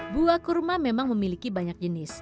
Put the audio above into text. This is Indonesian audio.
buah kurma memang memiliki banyak jenis